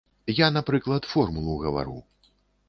Я, напрыклад, формулу гавару.